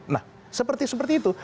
nah seperti seperti itu